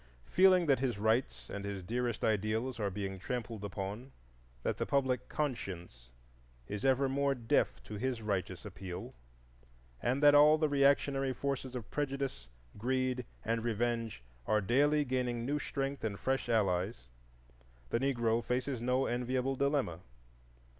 Feeling that his rights and his dearest ideals are being trampled upon, that the public conscience is ever more deaf to his righteous appeal, and that all the reactionary forces of prejudice, greed, and revenge are daily gaining new strength and fresh allies, the Negro faces no enviable dilemma.